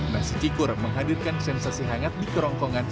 nasi cikur menghadirkan sensasi hangat di kerongkongan